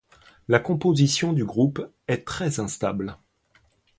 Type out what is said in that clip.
La composition du groupe est très instable.